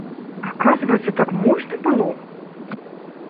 Аказваецца, так можна было!